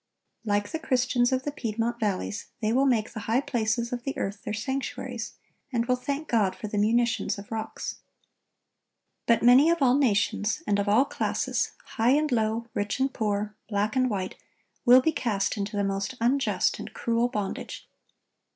Like the Christians of the Piedmont valleys, they will make the high places of the earth their sanctuaries, and will thank God for the "munitions of rocks."(1068) But many of all nations, and of all classes, high and low, rich and poor, black and white, will be cast into the most unjust and cruel bondage.